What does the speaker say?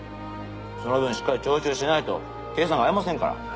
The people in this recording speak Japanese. その分しっかり徴収しないと計算合いませんから。